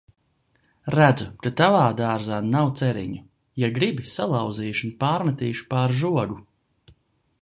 Redzu, ka Tavā dārzā nav ceriņu. Ja gribi, salauzīšu un pārmetīšu pār žogu.